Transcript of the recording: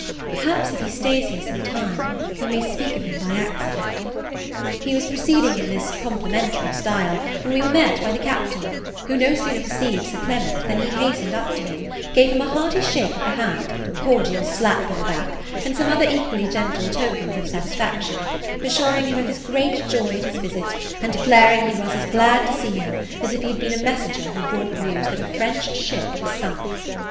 Perhaps, if he stays here some time, he may speak of him by accident. He was proceeding in this complimentary style, when we were met by the Captain; who no sooner perceived Sir Clement, than he hastened up to him, gave him a hearty shake of the hand, a cordial slap on the back, and some other equally gentle tokens of satisfaction, assuring him of his great joy at his visit, and declaring he was as glad to see him as if he had been a messenger who brought news that a French ship was sunk.